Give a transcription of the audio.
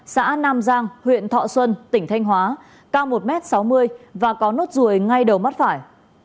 xã nam giang huyện thọ xuân tỉnh thanh hóa cao một m sáu mươi và có nốt ruồi ngay đầu mắt phải